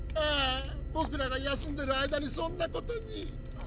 ぼくらが休んでる間にそんなことに。